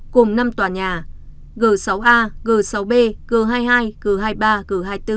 cùng năm tòa nhà g sáu a g sáu b g hai mươi hai g hai mươi ba g hai mươi bốn